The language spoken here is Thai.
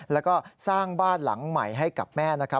แล้วก็สร้างบ้านหลังใหม่ให้กับแม่นะครับ